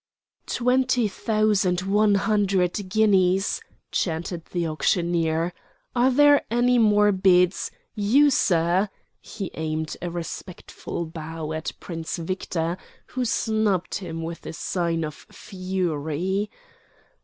"Twenty thousand one hundred guineas!" chanted the auctioneer. "Are there any more bids? You, sir—?" He aimed a respectful bow at Prince Victor, who snubbed him with a sign of fury.